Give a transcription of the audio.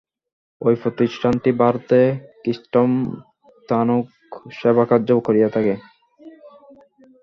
ঐ প্রতিষ্ঠানটি ভারতে খ্রীষ্টমতানুগ সেবাকার্য করিয়া থাকে।